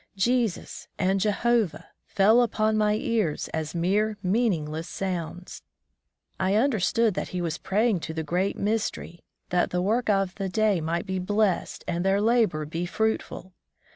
"Jesus" and "Jehovah" fell upon my ears as niere meaningless sounds. I understood that he was praying to the "Great Mystery" that the work of the day 40 On the White MarCs Trail might be blessed and their labor be fruitful.